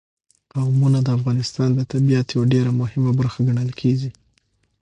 قومونه د افغانستان د طبیعت یوه ډېره مهمه برخه ګڼل کېږي.